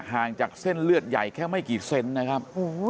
ห่างจากเส้นเลือดใหญ่แค่ไม่กี่เซนนะครับ